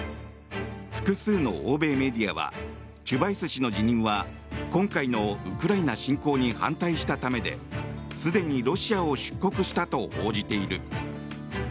複数の欧米メディアはチュバイス氏の辞任は今回のウクライナ侵攻に反対したためですでにロシアを出国したと報じている。